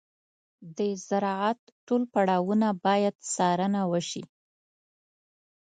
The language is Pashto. د زراعت ټول پړاوونه باید څارنه وشي.